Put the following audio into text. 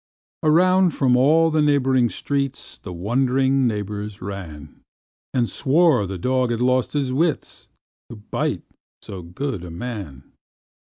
Around from all the neighboring streets The wond'ring neighbors ran, And swore the dog had lost his wits, To bite so good a man.